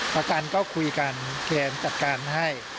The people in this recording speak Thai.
ประกันก็คุยกันแทนจัดการให้